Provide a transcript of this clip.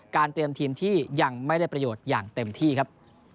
เตรียมทีมที่ยังไม่ได้ประโยชน์อย่างเต็มที่ครับ